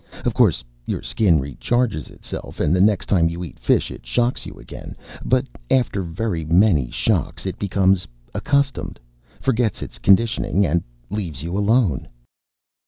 Of course your Skin recharges itself and the next time you eat fish it shocks you again. But after very many shocks it becomes accustomed, forgets its conditioning, and leaves you alone."